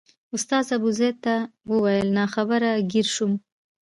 استاد ابوزید ته وویل ناخبره ګیر شوم.